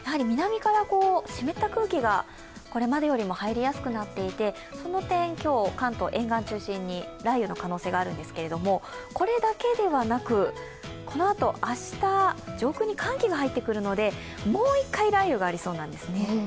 南から湿った空気がこれまでよりも入りやすくなっていて、その点、今日、関東沿岸中心に雷雨の可能性があるんですがこれだけではなく、このあと明日、上空に寒気が入ってくるので、もう一回雷雨がありそうなんですね。